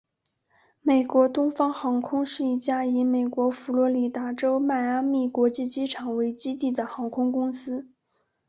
美国东方航空是一家以美国佛罗里达州迈阿密国际机场为基地的航空公司。